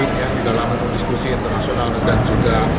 di dalam diskusi internasional dan juga